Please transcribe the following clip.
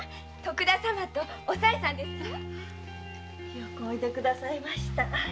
よくおいで下さいました。